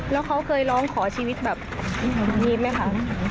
แล้วเขาเคยร้องขอชีวิตแบบยิ้มไหมคะ